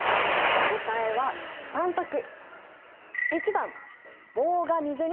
答えは３択！